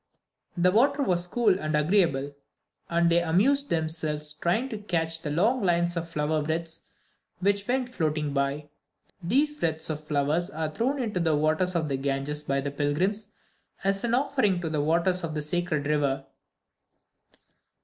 The water was cool and agreeable, and they amused themselves trying to catch the long lines of flower wreaths which went floating by. These wreaths of flowers are thrown into the waters of the Ganges by the pilgrims as an offering to the waters of the "Sacred River."